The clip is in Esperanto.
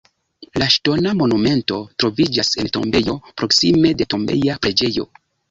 La ŝtona monumento troviĝas en tombejo proksime de tombeja preĝejo.